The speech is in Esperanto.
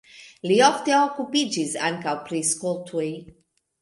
Li ofte okupiĝis ankaŭ pri skoltoj.